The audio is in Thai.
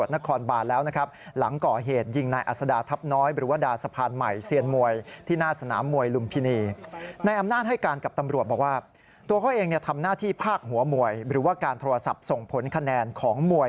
หรือว่าการโทรศัพท์ส่งผลคะแนนของมวย